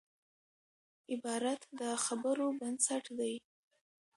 عبارت د خبرو بنسټ دئ.